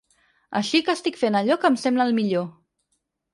Així que estic fent allò que em sembla el millor.